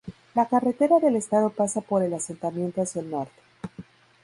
La carretera del estado pasa por el asentamiento hacia el norte.